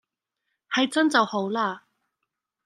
係真就好喇